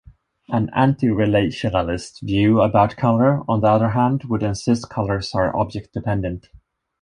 An anti-relationalist view about colour, on the other hand, would insist colours are object-dependent.